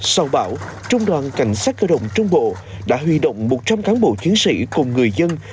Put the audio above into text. sau bão trung đoàn cảnh sát cơ động trung bộ đã huy động một trăm linh cán bộ chiến sĩ cùng người dân